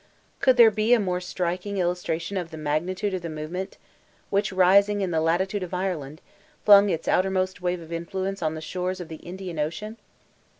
Could there be a more striking illustration of the magnitude of the movement, which, rising in the latitude of Ireland, flung its outermost wave of influence on the shores of the Indian ocean?